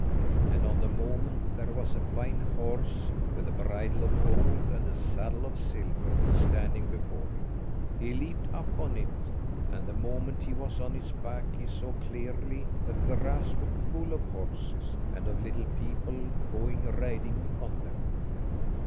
And on the moment there was a fine horse with a bridle of gold, and a saddle of silver, standing before him. He leaped up on it, and the moment he was on its back he saw clearly that the rath was full of horses, and of little people going riding on them.